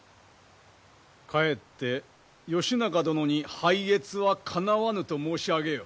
帰って義仲殿に拝謁はかなわぬと申し上げよ。